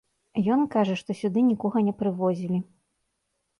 Ён кажа, што сюды нікога не прывозілі.